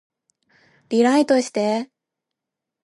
リライトして